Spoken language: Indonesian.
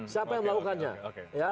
siapa yang melakukannya